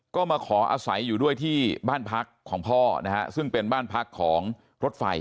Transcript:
ก็มาขออาศัยอยู่ด้วยที่บ้านพักของพ่อนะฮะซึ่งเป็นบ้านพักของรถไฟ